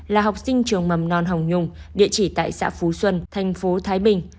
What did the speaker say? là học sinh trường mầm non hồng nhung địa chỉ tại xã phú xuân thành phố thái bình